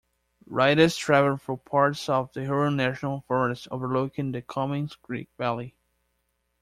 Riders travel through parts of the Huron National Forest overlooking the Comins Creek valley.